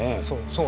そう。